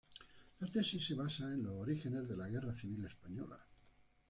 La tesis se basa en los orígenes de la Guerra Civil Española.